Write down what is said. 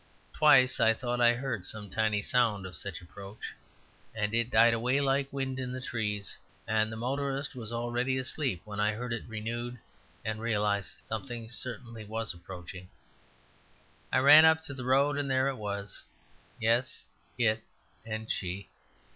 Twice I thought I heard some tiny sound of such approach, and it died away like wind in the trees, and the motorist was already asleep when I heard it renewed and realized. Something certainly was approaching. I ran up the road and there it was. Yes, It and She.